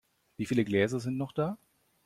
Wieviele Gläser sind noch da?